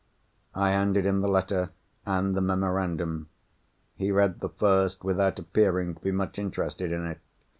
I handed him the letter, and the memorandum. He read the first without appearing to be much interested in it.